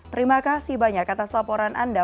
terima kasih banyak atas laporan anda